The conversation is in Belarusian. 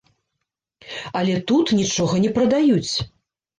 Але тут нічога не прадаюць!